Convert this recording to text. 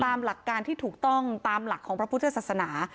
หลักการที่ถูกต้องตามหลักของพระพุทธศาสนา